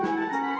ya ya gak